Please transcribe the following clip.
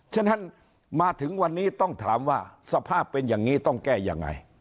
ฉะนั้นมาถึงวันนี้ต้องถามว่าสภาพเป็นอย่างนี้ต้องแก้ยังไง